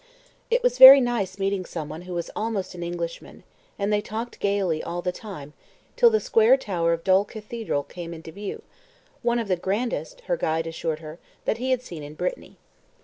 It was very nice meeting some one who was "almost an Englishman," and they talked gaily all the time, till the square tower of Dol Cathedral came into view one of the grandest, her guide assured her, that he had seen in Brittany.